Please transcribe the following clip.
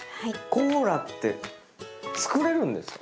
コーラって作れるんですか？